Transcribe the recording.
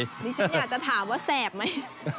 ดิฉันอยากจะถามว่าแสบไหม